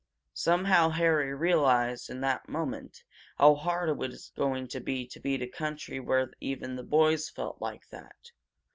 Somehow Harry realized in that moment how hard it was going to be to beat a country where even the boys felt like that!